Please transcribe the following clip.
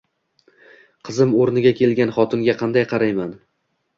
Qizim o'rniga kelgan xotinga qanday qarayman?!